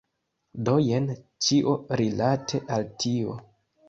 Do jen ĉio rilate al tio.